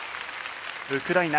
ウクライナ